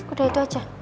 udah itu aja